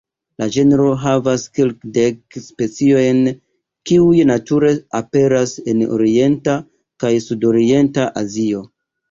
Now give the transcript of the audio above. La genro havas kelkdek speciojn, kiuj nature aperas en orienta kaj sudorienta Azio.